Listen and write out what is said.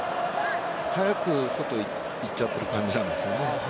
早く外、行っちゃっている感じなんですよね。